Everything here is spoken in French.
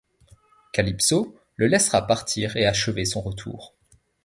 Calypso le laissera partir et achever son retour.